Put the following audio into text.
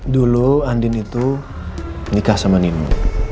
dulu andin itu nikah sama nino